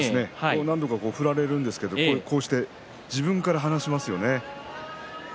何度か振られるんですけど自分から放しますよね。